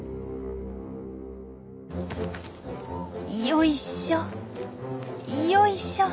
よいしょ。